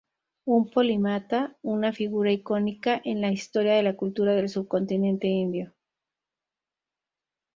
Un polímata una figura icónica en la historia de la cultura del subcontinente indio.